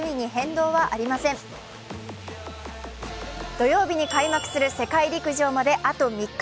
土曜日に開幕する世界陸上まであと３日。